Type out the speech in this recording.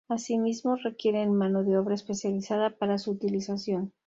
Asimismo, requieren mano de obra especializada para su utilización.